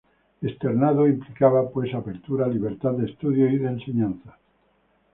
Externado implicaba, pues, apertura, libertad de estudio y de enseñanza.